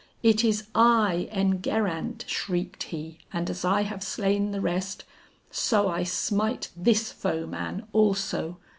It is I, Enguerrand!" shrieked he; "and as I have slain the rest, So I smite this foeman also!"